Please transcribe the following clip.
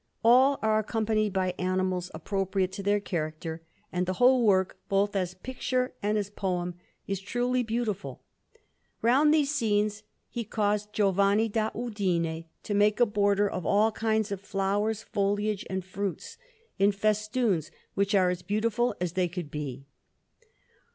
All are accompanied by animals appropriate to their character; and the whole work, both as picture and as poem, is truly beautiful. Round these scenes he caused Giovanni da Udine to make a border of all kinds of flowers, foliage, and fruits, in festoons, which are as beautiful as they could be.